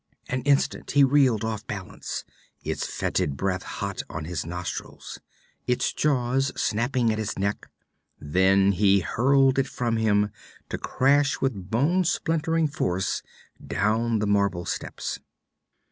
An instant he reeled off balance, its fetid breath hot on his nostrils; its jaws snapping at his neck; then he hurled it from him, to crash with bone splintering force down the marble steps.